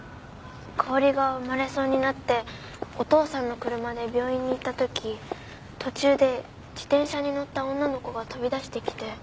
かおりが生まれそうになってお父さんの車で病院に行ったとき途中で自転車に乗った女の子が飛び出してきて。